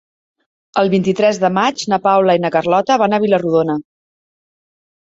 El vint-i-tres de maig na Paula i na Carlota van a Vila-rodona.